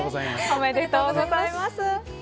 おめでとうございます。